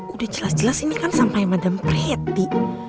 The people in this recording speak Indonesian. udah jelas jelas ini kan sampah yang madame pretty